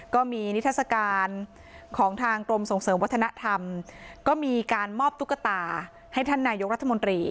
ก็มีนิทัศกาลของทางกรมส่งเสริมวัฒนธรรมก็มีการมอบตุ๊กตาให้ท่านนายกรัฐมนตรี